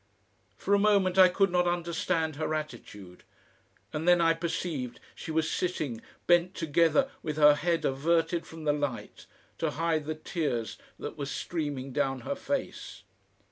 For a moment I could not understand her attitude, and then I perceived she was sitting bent together with her head averted from the light to hide the tears that were streaming down her face.